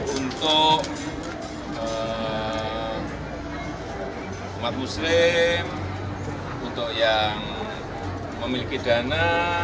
untuk umat muslim untuk yang memiliki dana